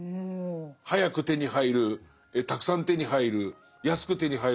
早く手に入るたくさん手に入る安く手に入るみたいのが。